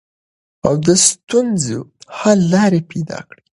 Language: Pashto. د ستونزو حل لارې پیدا کړئ.